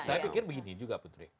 saya pikir begini juga putri